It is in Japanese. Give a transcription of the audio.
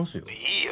「いいよ。